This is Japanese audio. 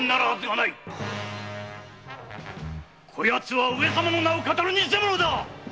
こやつは上様の名をカタる偽者だ。